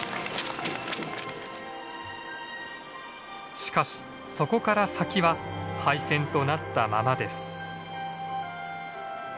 しかしそこから先は廃線となったままです。